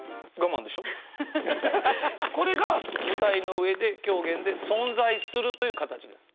これが舞台の上で狂言で存在するという形です。